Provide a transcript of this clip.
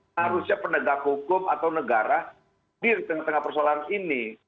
harusnya penegak hukum atau negara hadir di tengah tengah persoalan ini